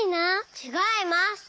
ちがいます。